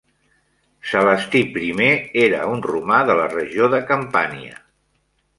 Celestí I era un romà de la regió de Campània.